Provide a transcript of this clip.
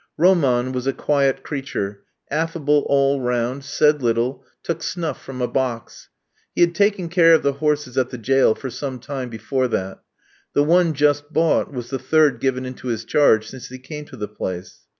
Roman was a quiet creature, affable all round, said little, took snuff from a box. He had taken care of the horses at the jail for some time before that. The one just bought was the third given into his charge since he came to the place.